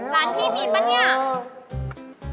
ร้านพี่มีป่ะเนี่ย